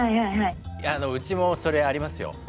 うちもそれありますよ。